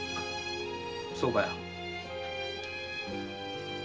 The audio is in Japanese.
そうかよ。